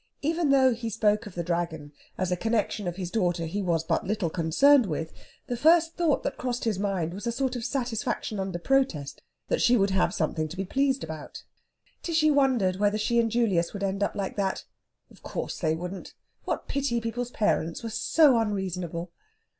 Even though he spoke of the Dragon as a connexion of his daughter he was but little concerned with, the first thought that crossed his mind was a sort of satisfaction under protest that she would have something to be pleased about. Tishy wondered whether she and Julius would end up like that. Of course they wouldn't! What pity people's parents were so unreasonable!